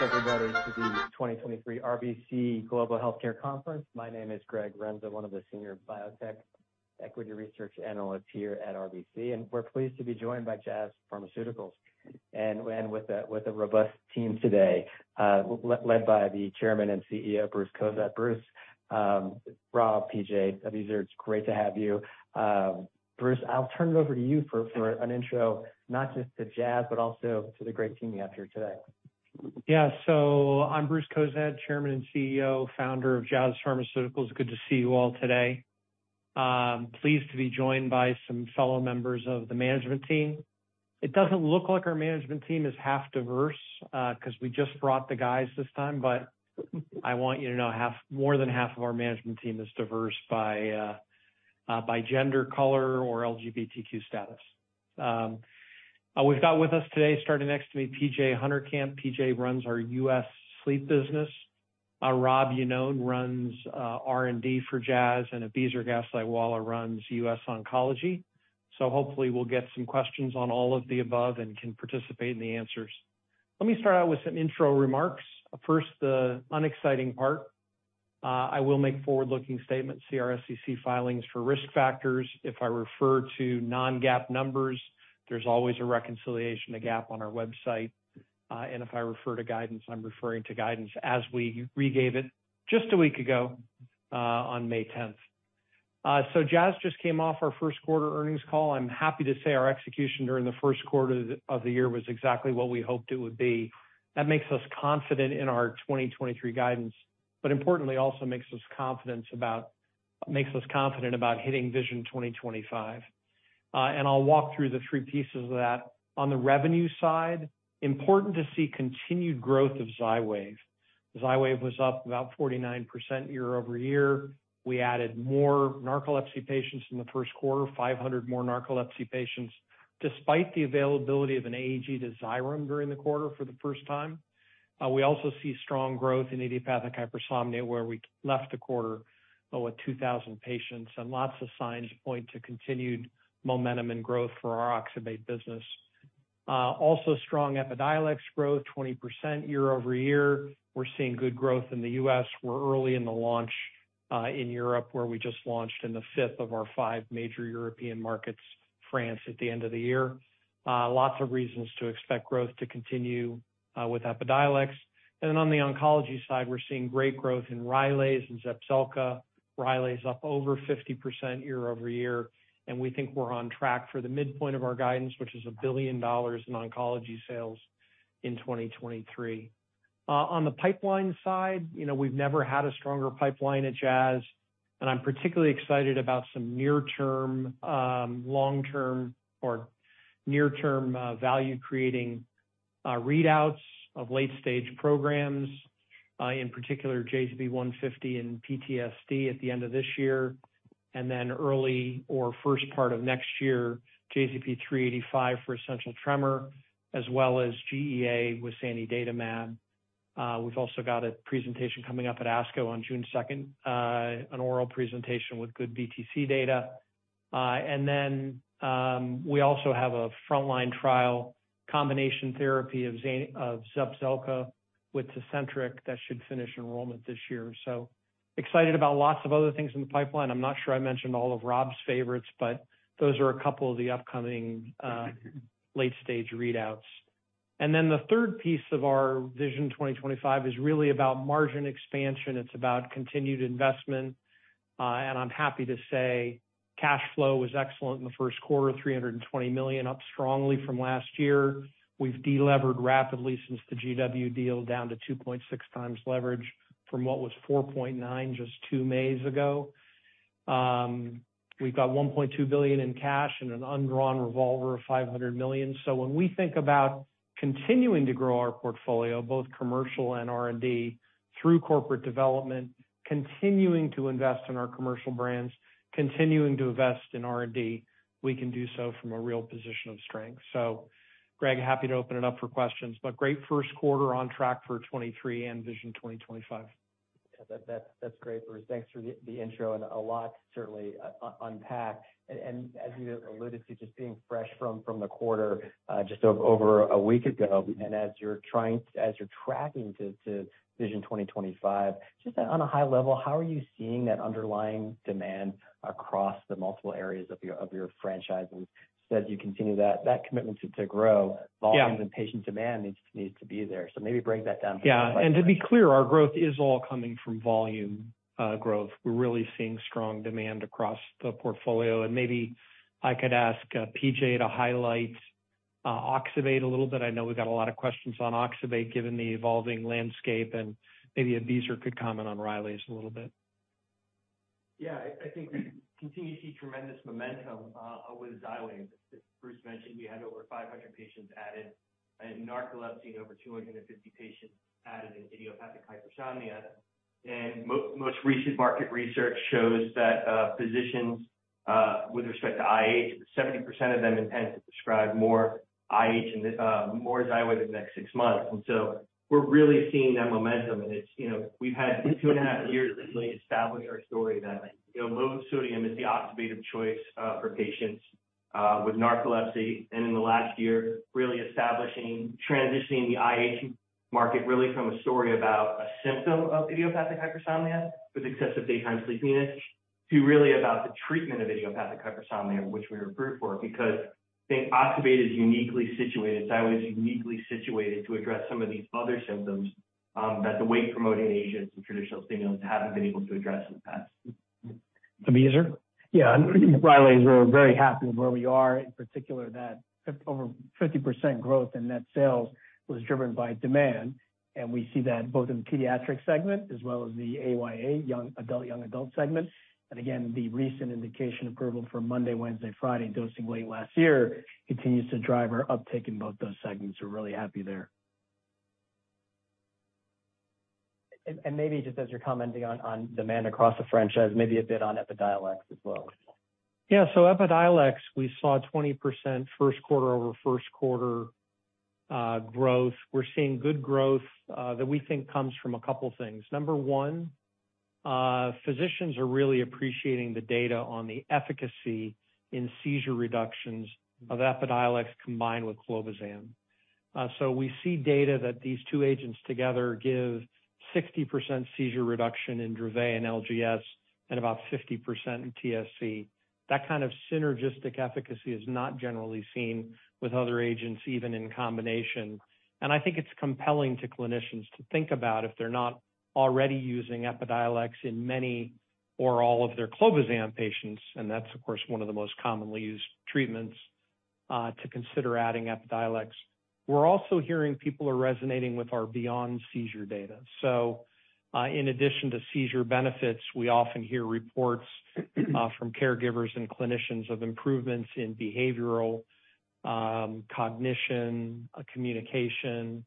Thank you, everybody, for the 2023 RBC Global Healthcare Conference. My name is Greg Renza, one of the Senior Biotech Equity Research Analysts here at RBC, and we're pleased to be joined by Jazz Pharmaceuticals and with a robust team today, led by the Chairman and CEO, Bruce Cozadd. Bruce, Rob, P.J., it's great to have you. Bruce, I'll turn it over to you for an intro, not just to Jazz, but also to the great team we have here today. Yeah, so I'm Bruce Cozadd, Chairman and CEO, Founder of Jazz Pharmaceuticals. Good to see you all today. Pleased to be joined by some fellow members of the management team. It doesn't look like our management team is half diverse because we just brought the guys this time, but I want you to know more than half of our management team is diverse by gender, color, or LGBTQ status. We've got with us today, starting next to me, P.J. Honerkamp. P.J. runs our U.S. Sleep business. Rob Iannone runs R&D for Jazz, and Abizar Gaslightwala runs U.S. Oncology. So hopefully we'll get some questions on all of the above and can participate in the answers. Let me start out with some intro remarks. First, the unexciting part. I will make forward-looking statements. SEC filings for risk factors. If I refer to non-GAAP numbers, there's always a reconciliation to GAAP on our website. And if I refer to guidance, I'm referring to guidance as we re-gave it just a week ago on May 10th. Jazz just came off our first quarter earnings call. I'm happy to say our execution during the first quarter of the year was exactly what we hoped it would be. That makes us confident in our 2023 guidance, but importantly, also makes us confident about hitting Vision 2025. I'll walk through the three pieces of that. On the revenue side, important to see continued growth of Xywav. Xywav was up about 49% year-over-year. We added more narcolepsy patients in the first quarter, 500 more narcolepsy patients, despite the availability of an AG to Xyrem during the quarter for the first time. We also see strong growth in idiopathic hypersomnia, where we left the quarter with 2,000 patients, and lots of signs point to continued momentum and growth for our oxybate business. Also, strong Epidiolex growth, 20% year-over-year. We're seeing good growth in the U.S. We're early in the launch in Europe, where we just launched in the fifth of our five major European markets, France, at the end of the year. Lots of reasons to expect growth to continue with Epidiolex. And then on the oncology side, we're seeing great growth in Rylaze and Zepzelca. Rylaze up over 50% year-over-year, and we think we're on track for the midpoint of our guidance, which is $1 billion in oncology sales in 2023. On the pipeline side, we've never had a stronger pipeline at Jazz, and I'm particularly excited about some near-term, long-term, or near-term value-creating readouts of late-stage programs, in particular JZP150 and PTSD at the end of this year, and then early or first part of next year, JZP385 for essential tremor, as well as GEA with zanidatamab. We've also got a presentation coming up at ASCO on June 2nd, an oral presentation with good BTC data. We also have a frontline trial combination therapy of Zepzelca with Tecentriq that should finish enrollment this year. Excited about lots of other things in the pipeline. I'm not sure I mentioned all of Rob's favorites, but those are a couple of the upcoming late-stage readouts. The third piece of our Vision 2025 is really about margin expansion. It's about continued investment, and I'm happy to say cash flow was excellent in the first quarter, $320 million, up strongly from last year. We've delevered rapidly since the GW deal down to 2.6x leverage from what was 4.9x just two years ago. We've got $1.2 billion in cash and an undrawn revolver of $500 million. So when we think about continuing to grow our portfolio, both commercial and R&D, through corporate development, continuing to invest in our commercial brands, continuing to invest in R&D, we can do so from a real position of strength. So Greg, happy to open it up for questions, but great first quarter, on track for 2023 and Vision 2025. That's great, Bruce. Thanks for the intro and a lot to certainly unpack. And as you alluded to, just being fresh from the quarter just over a week ago, and as you're tracking to Vision 2025, just on a high level, how are you seeing that underlying demand across the multiple areas of your franchise? And as you said you continue that commitment to grow, volume and patient demand needs to be there. So maybe break that down. Yeah, and to be clear, our growth is all coming from volume growth. We're really seeing strong demand across the portfolio. And maybe I could ask P.J. to highlight oxybate a little bit. I know we've got a lot of questions on oxybate given the evolving landscape, and maybe Abizar could comment on Rylaze a little bit. Yeah, I think we continue to see tremendous momentum with Xywav. Bruce mentioned we had over 500 patients added in narcolepsy, over 250 patients added in idiopathic hypersomnia. Most recent market research shows that physicians, with respect to IH, 70% of them intend to prescribe more Xywav in the next six months. So we're really seeing that momentum. We've had two and a half years to really establish our story that low sodium is the oxybate of choice for patients with narcolepsy. In the last year, really establishing, transitioning the IH market really from a story about a symptom of idiopathic hypersomnia with excessive daytime sleepiness to really about the treatment of idiopathic hypersomnia, which we were approved for because I think oxybate is uniquely situated. Rylaze is uniquely situated to address some of these other symptoms that the wake-promoting agents and traditional stimulants haven't been able to address in the past. Abizar? Yeah, Rylaze is very happy with where we are, in particular that over 50% growth in net sales was driven by demand, and we see that both in the pediatric segment as well as the AYA, Young Adult segment, and again, the recent indication approval for Monday, Wednesday, Friday dosing late last year continues to drive our uptake in both those segments. We're really happy there, and maybe just as you're commenting on demand across the franchise, maybe a bit on Epidiolex as well. Yeah, so Epidiolex, we saw 20% first quarter over first quarter growth. We're seeing good growth that we think comes from a couple of things. Number one, physicians are really appreciating the data on the efficacy in seizure reductions of Epidiolex combined with clobazam. So we see data that these two agents together give 60% seizure reduction in Dravet and LGS and about 50% in TSC. That kind of synergistic efficacy is not generally seen with other agents, even in combination. And I think it's compelling to clinicians to think about if they're not already using Epidiolex in many or all of their clobazam patients. And that's, of course, one of the most commonly used treatments to consider adding Epidiolex. We're also hearing people are resonating with our beyond seizure data. So in addition to seizure benefits, we often hear reports from caregivers and clinicians of improvements in behavioral, cognition, communication,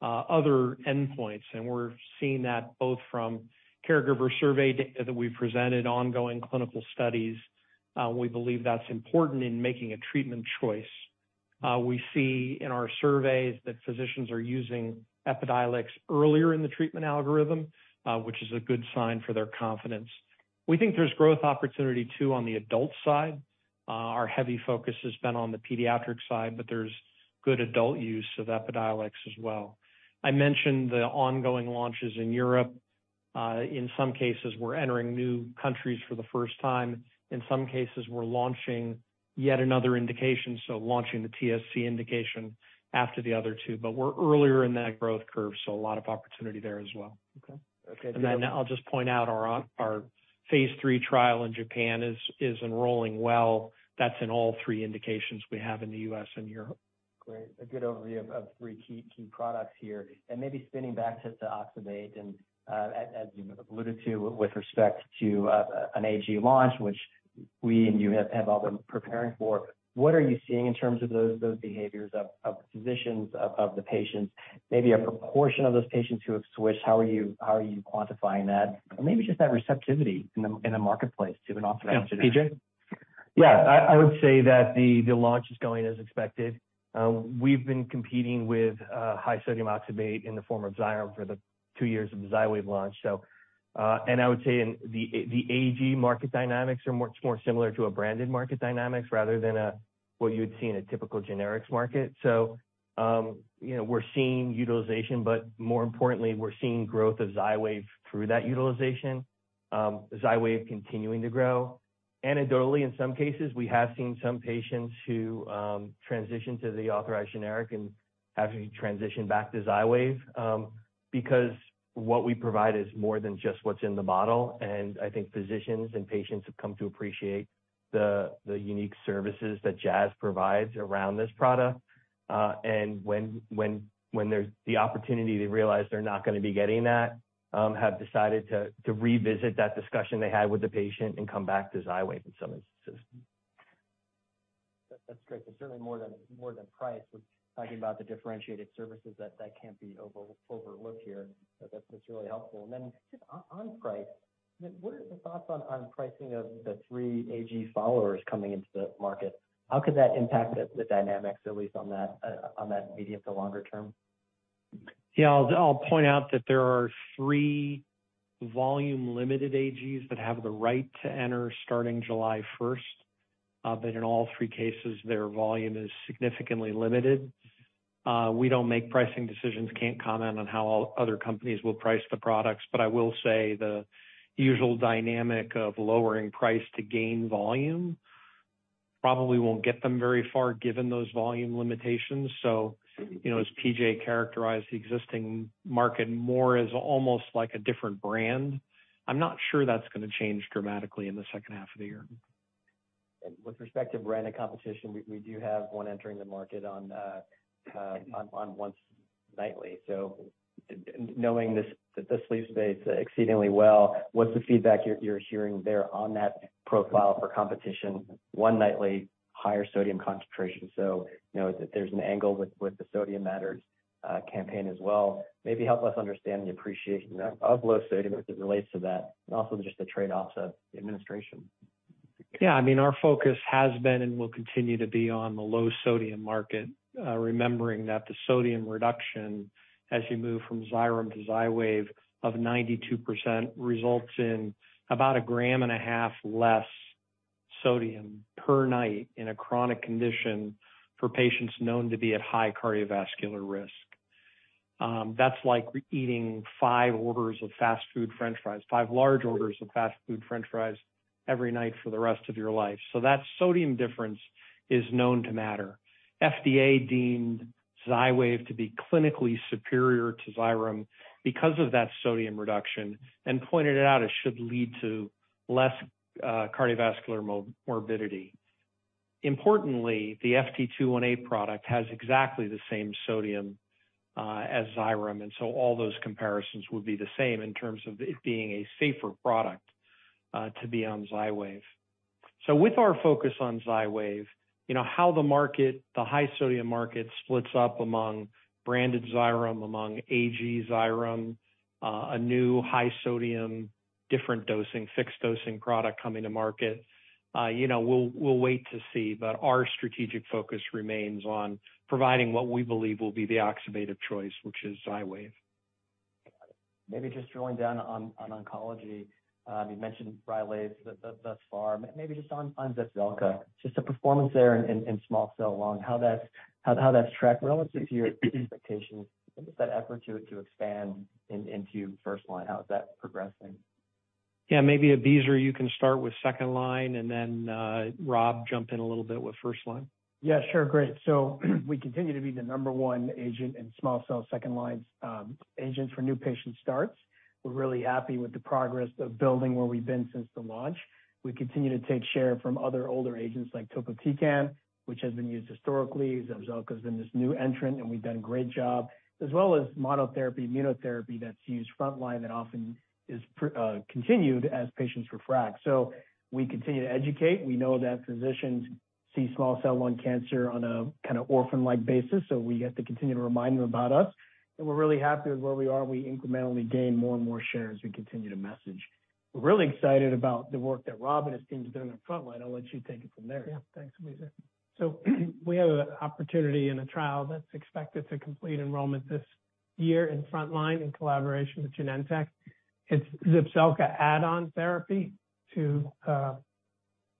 other endpoints. And we're seeing that both from caregiver survey data that we've presented, ongoing clinical studies. We believe that's important in making a treatment choice. We see in our surveys that physicians are using Epidiolex earlier in the treatment algorithm, which is a good sign for their confidence. We think there's growth opportunity too on the adult side. Our heavy focus has been on the pediatric side, but there's good adult use of Epidiolex as well. I mentioned the ongoing launches in Europe. In some cases, we're entering new countries for the first time. In some cases, we're launching yet another indication, so launching the TSC indication after the other two. But we're earlier in that growth curve, so a lot of opportunity there as well. And then I'll just point out our phase III trial in Japan is enrolling well. That's in all three indications we have in the U.S. and Europe. Great. A good overview of three key products here, and maybe spinning back to oxybate, and as you alluded to with respect to an AG launch, which we and you have all been preparing for, what are you seeing in terms of those behaviors of physicians, of the patients, maybe a proportion of those patients who have switched? How are you quantifying that, and maybe just that receptivity in the marketplace to an AG. Yeah, I would say that the launch is going as expected. We've been competing with high sodium oxybate in the form of Xyrem for the two years of the Xywav launch. And I would say the AG market dynamics are much more similar to a branded market dynamics rather than what you would see in a typical generics market. So we're seeing utilization, but more importantly, we're seeing growth of Xywav through that utilization. Xywav continuing to grow. Anecdotally, in some cases, we have seen some patients who transition to the authorized generic and have to transition back to Xywav because what we provide is more than just what's in the bottle. And I think physicians and patients have come to appreciate the unique services that Jazz provides around this product. When there's the opportunity, they realize they're not going to be getting that, have decided to revisit that discussion they had with the patient and come back to Rylaze in some instances. That's great. Certainly more than price. We're talking about the differentiated services that can't be overlooked here. That's really helpful. And then just on price, what are the thoughts on pricing of the three AG followers coming into the market? How could that impact the dynamics, at least on that medium to longer term? Yeah, I'll point out that there are three volume-limited AGs that have the right to enter starting July 1st. But in all three cases, their volume is significantly limited. We don't make pricing decisions, can't comment on how other companies will price the products, but I will say the usual dynamic of lowering price to gain volume probably won't get them very far given those volume limitations. So as P.J. characterized the existing market more as almost like a different brand, I'm not sure that's going to change dramatically in the second half of the year. With respect to branded competition, we do have one entering the market on once nightly. Knowing the sleep space exceedingly well, what's the feedback you're hearing there on that profile for competition? One nightly, higher sodium concentration. There's an angle with the Sodium Matters campaign as well. Maybe help us understand the appreciation of low sodium as it relates to that, and also just the trade-offs of the administration. Yeah, I mean, our focus has been and will continue to be on the low sodium market, remembering that the sodium reduction as you move from Xyrem to Xywav of 92% results in about a gram and a half less sodium per night in a chronic condition for patients known to be at high cardiovascular risk. That's like eating five orders of fast food French fries, five large orders of fast food French fries every night for the rest of your life. So that sodium difference is known to matter. FDA deemed Xywav to be clinically superior to Xyrem because of that sodium reduction and pointed it out as should lead to less cardiovascular morbidity. Importantly, the FT218 product has exactly the same sodium as Xyrem. And so all those comparisons would be the same in terms of it being a safer product to be on Xywav. So with our focus on Xywav, how the market, the high sodium market, splits up among branded Xyrem, among AG Xyrem, a new high sodium, different dosing, fixed dosing product coming to market, we'll wait to see. But our strategic focus remains on providing what we believe will be the oxybate of choice, which is Xywav. Maybe just drilling down on oncology. You mentioned Rylaze thus far. Maybe just on Zepzelca, just the performance there in small cell lung cancer, how that's tracked relative to your expectations. What is that effort to expand into first line? How is that progressing? Yeah, maybe Abizar, you can start with second line, and then Rob, jump in a little bit with first line. Yeah, sure. Great. So we continue to be the number one agent in small cell second-line agents for new patient starts. We're really happy with the progress of building where we've been since the launch. We continue to take share from other older agents like topotecan, which has been used historically. Zepzelca has been this new entrant, and we've done a great job, as well as monotherapy, immunotherapy that's used frontline that often is continued as patients relapse. So we continue to educate. We know that physicians see small cell lung cancer on a kind of orphan-like basis. So we have to continue to remind them about us. And we're really happy with where we are. We incrementally gain more and more share as we continue to message. We're really excited about the work that Rob and his team have done in the frontline. I'll let you take it from there. Yeah, thanks, Abizar. So we have an opportunity and a trial that's expected to complete enrollment this year in frontline in collaboration with Genentech. It's Zepzelca add-on therapy to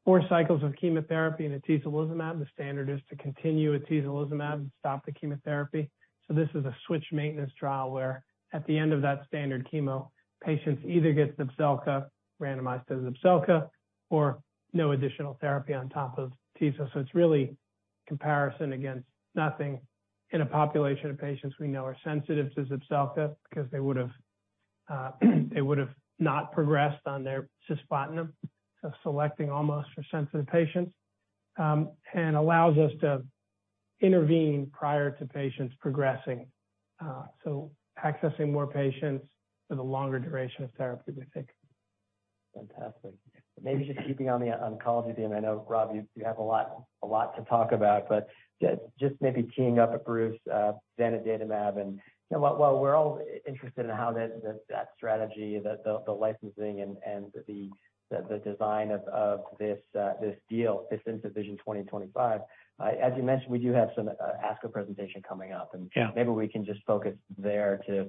four cycles of chemotherapy and atezolizumab. The standard is to continue atezolizumab and stop the chemotherapy. So this is a switch maintenance trial where at the end of that standard chemo, patients either get Zepzelca, randomized to Zepzelca, or no additional therapy on top of atezo. So it's really comparison against nothing in a population of patients we know are sensitive to Zepzelca because they would have not progressed on their cisplatin. So accessing more patients with a longer duration of therapy, we think. Fantastic. Maybe just keeping on the oncology theme. I know, Rob, you have a lot to talk about, but just maybe teeing up a brief zanidatamab, and while we're all interested in how that strategy, the licensing, and the design of this deal fits into Vision 2025, as you mentioned, we do have some ASCO presentation coming up, and maybe we can just focus there to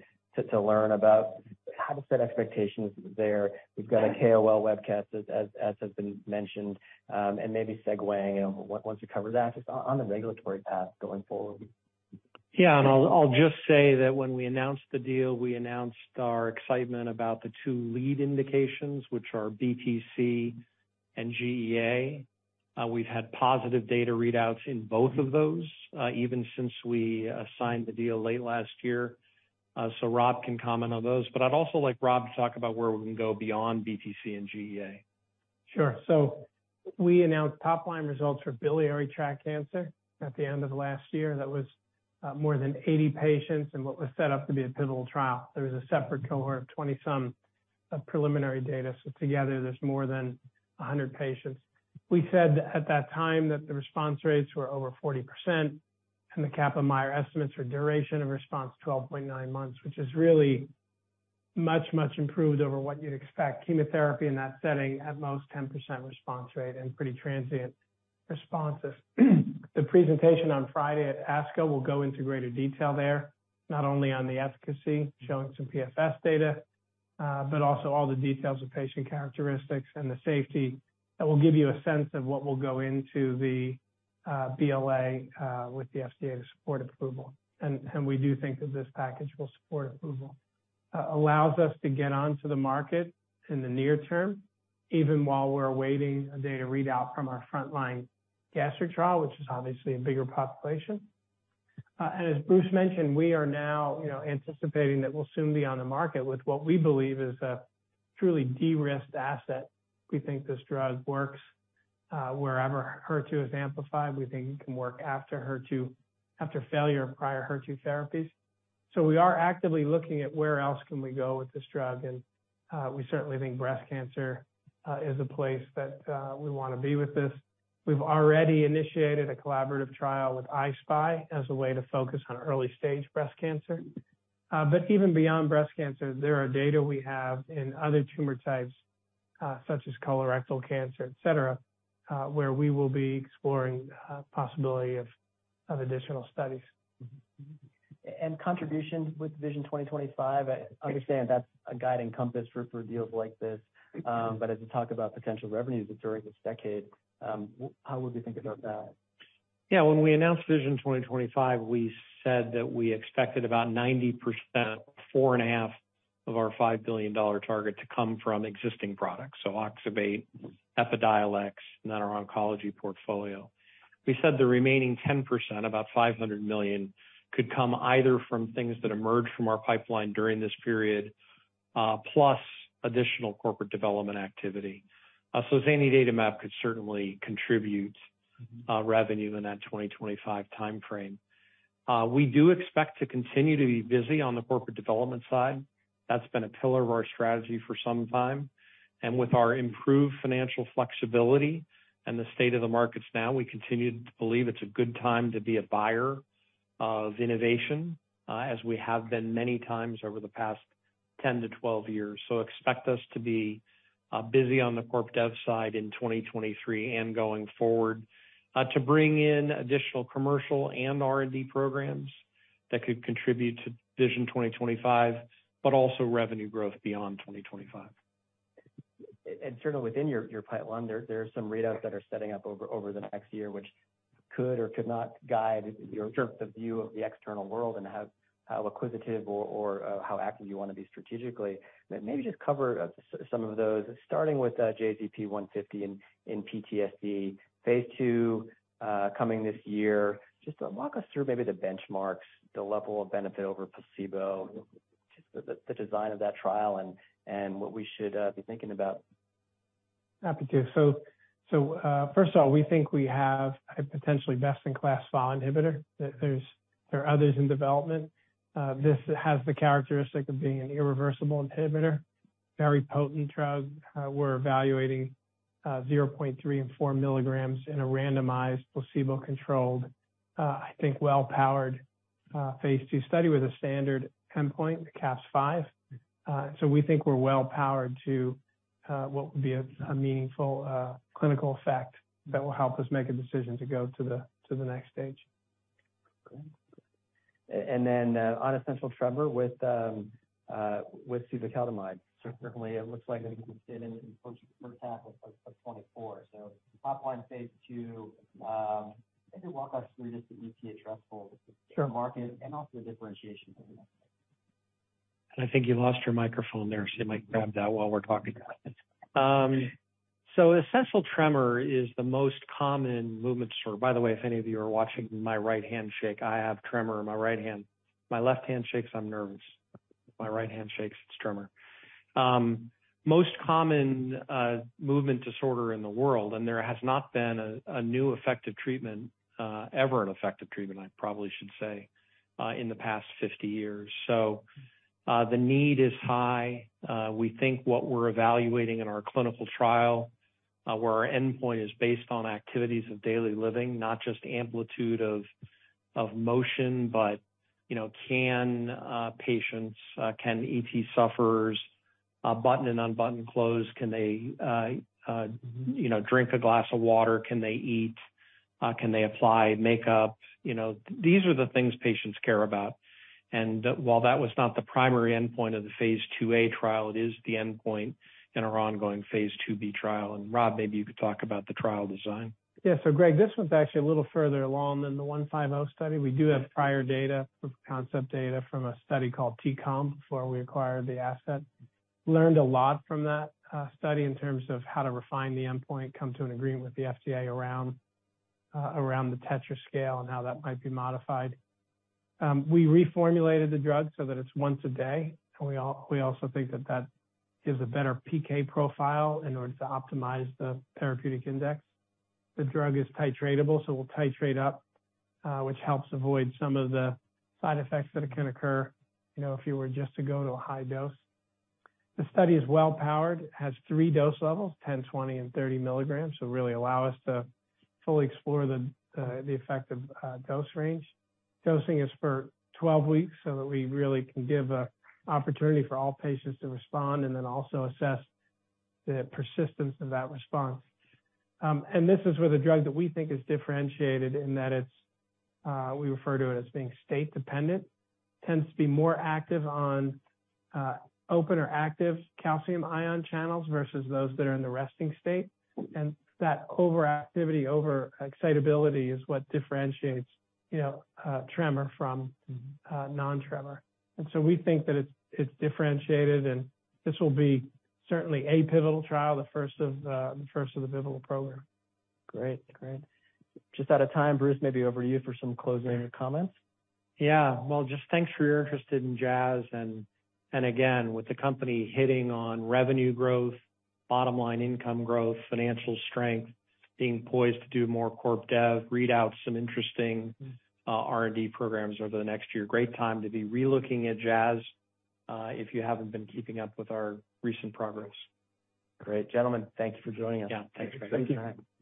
learn about how to set expectations there. We've got a KOL webcast, as has been mentioned, and maybe segueing once we cover that just on the regulatory path going forward. Yeah, and I'll just say that when we announced the deal, we announced our excitement about the two lead indications, which are BTC and GEA. We've had positive data readouts in both of those even since we signed the deal late last year. So Rob can comment on those. But I'd also like Rob to talk about where we can go beyond BTC and GEA. Sure. So we announced top-line results for biliary tract cancer at the end of last year. That was more than 80 patients in what was set up to be a pivotal trial. There was a separate cohort of 20-some of preliminary data. So together, there's more than 100 patients. We said at that time that the response rates were over 40%, and the Kaplan-Meier estimates for duration of response 12.9 months, which is really much, much improved over what you'd expect. Chemotherapy in that setting, at most 10% response rate and pretty transient responses. The presentation on Friday at ASCO will go into greater detail there, not only on the efficacy, showing some PFS data, but also all the details of patient characteristics and the safety that will give you a sense of what will go into the BLA with the FDA to support approval. And we do think that this package will support approval, allows us to get onto the market in the near term, even while we're awaiting a data readout from our front-line gastric trial, which is obviously a bigger population. And as Bruce mentioned, we are now anticipating that we'll soon be on the market with what we believe is a truly de-risked asset. We think this drug works wherever HER2 is amplified. We think it can work after HER2, after failure of prior HER2 therapies. So we are actively looking at where else can we go with this drug. And we certainly think breast cancer is a place that we want to be with this. We've already initiated a collaborative trial with I-SPY as a way to focus on early-stage breast cancer. But even beyond breast cancer, there are data we have in other tumor types, such as colorectal cancer, etc., where we will be exploring the possibility of additional studies. And contribution with Vision 2025, I understand that's a guiding compass for deals like this. But as you talk about potential revenues during this decade, how would we think about that? Yeah, when we announced Vision 2025, we said that we expected about 90%, $4.5 billion of our $5 billion target to come from existing products. So oxybate, Epidiolex, and then our oncology portfolio. We said the remaining 10%, about $500 million, could come either from things that emerge from our pipeline during this period, plus additional corporate development activity. So zanidatamab could certainly contribute revenue in that 2025 timeframe. We do expect to continue to be busy on the corporate development side. That's been a pillar of our strategy for some time. And with our improved financial flexibility and the state of the markets now, we continue to believe it's a good time to be a buyer of innovation, as we have been many times over the past 10 to 12 years. Expect us to be busy on the corp dev side in 2023 and going forward to bring in additional commercial and R&D programs that could contribute to Vision 2025, but also revenue growth beyond 2025. Certainly, within your pipeline, there are some readouts that are setting up over the next year, which could or could not guide the view of the external world and how acquisitive or how active you want to be strategically. Maybe just cover some of those, starting with JZP150 in PTSD, phase II coming this year. Just walk us through maybe the benchmarks, the level of benefit over placebo, just the design of that trial and what we should be thinking about. Happy to. So first of all, we think we have a potentially best-in-class FAAH inhibitor. There are others in development. This has the characteristic of being an irreversible inhibitor, very potent drug. We're evaluating 0.3 mg and 4 mg in a randomized, placebo controlled, I think, well-powered phase II study with a standard endpoint, TETRAS. So we think we're well-powered to what would be a meaningful clinical effect that will help us make a decision to go to the next stage. On essential tremor with suvecaltamide, certainly it looks like it's in an important first half of 2024. Top-line phase II, maybe walk us through just the essential tremor market and also the differentiation. I think you lost your microphone there, so you might grab that while we're talking. So essential tremor is the most common movement disorder. By the way, if any of you are watching my right hand shake, I have tremor in my right hand. My left hand shakes, I'm nervous. If my right hand shakes, it's tremor. Most common movement disorder in the world, and there has not been a new effective treatment, never an effective treatment, I probably should say, in the past 50 years. So the need is high. We think what we're evaluating in our clinical trial, where our endpoint is based on activities of daily living, not just amplitude of motion, but can patients, can ET sufferers, button and unbutton clothes, can they drink a glass of water, can they eat, can they apply makeup? These are the things patients care about. While that was not the primary endpoint of the phase II-A trial, it is the endpoint in our ongoing phase II-B trial. Rob, maybe you could talk about the trial design. Yeah. So Greg, this one's actually a little further along than the 150 study. We do have prior data, concept data from a study called T-CALM before we acquired the asset. Learned a lot from that study in terms of how to refine the endpoint, come to an agreement with the FDA around the TETRAS scale and how that might be modified. We reformulated the drug so that it's once a day. And we also think that that gives a better PK profile in order to optimize the therapeutic index. The drug is titratable, so we'll titrate up, which helps avoid some of the side effects that can occur if you were just to go to a high dose. The study is well-powered. It has three dose levels, 10 mg, 20 mg, and 30 mg, so really allow us to fully explore the effective dose range. Dosing is for 12 weeks so that we really can give an opportunity for all patients to respond and then also assess the persistence of that response. And this is where the drug that we think is differentiated in that we refer to it as being state-dependent, tends to be more active on open or active calcium ion channels versus those that are in the resting state. And that overactivity, over-excitability is what differentiates tremor from non-tremor. And so we think that it's differentiated, and this will be certainly a pivotal trial, the first of the pivotal program. Great. Great. Just out of time, Bruce, maybe over to you for some closing comments. Yeah. Well, just thanks for your interest in Jazz. And again, with the company hitting on revenue growth, bottom-line income growth, financial strength, being poised to do more corp dev, readouts, some interesting R&D programs over the next year, great time to be relooking at Jazz if you haven't been keeping up with our recent progress. Great. Gentlemen, thank you for joining us. Yeah. Thanks, Greg. Thank you.